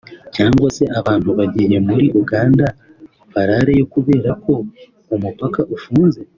cyangwa se abantu bagiye muri Uganda barareyo kubera ko umupaka ufunze